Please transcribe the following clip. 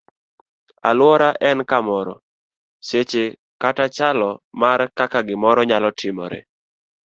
Aluora en kamoro, seche kata chalo mar kaka gimoro nyalo timore.